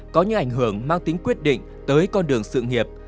có những ảnh hưởng mang tính quyết định tới con đường sự nghiệp